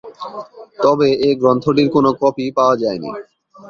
তবে এ গ্রন্থটির কোন কপি পাওয়া যায়নি।